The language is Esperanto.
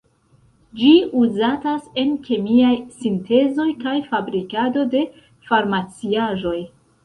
Ĝi uzatas en kemiaj sintezoj kaj fabrikado de farmaciaĵoj.